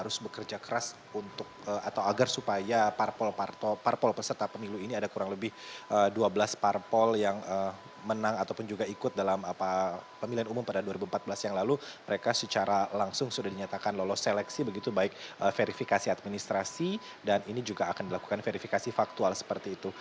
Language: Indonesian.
secara langsung sudah dinyatakan lolos seleksi begitu baik verifikasi administrasi dan ini juga akan dilakukan verifikasi faktual seperti itu